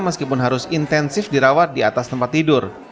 meskipun harus intensif dirawat di atas tempat tidur